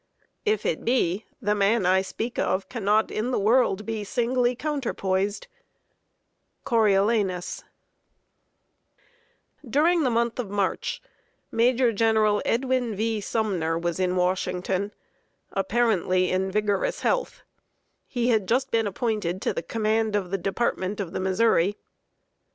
If it be, The man I speak of cannot in the world Be singly counterpoised. CORIOLANUS. [Sidenote: REMINISCENCES OF GENERAL SUMNER.] During the month of March, Major General Edwin V. Sumner was in Washington, apparently in vigorous health. He had just been appointed to the command of the Department of the Missouri.